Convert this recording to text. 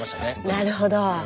なるほど。